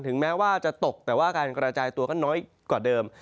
แม้ว่าจะตกแต่ว่าการกระจายตัวก็น้อยกว่าเดิม